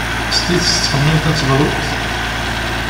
S tidet tettxemmimeḍ ad tebrud?